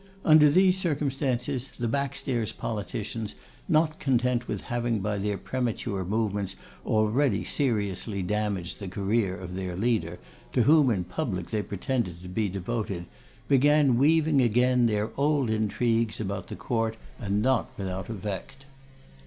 Under these circumstances, the backstairs politicians, not content with having by their premature movements already seriously damaged the career of their leader, to whom in public they pretended to be devoted, began weaving again their old intrigues about the court, and not without effect.